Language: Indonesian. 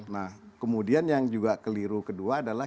nah kemudian yang juga keliru kedua adalah